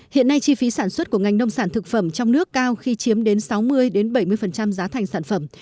hiện nay chi phí sản xuất của ngành nông sản thực phẩm trong nước cao khi chiếm đến sáu mươi bảy mươi giá thành sản phẩm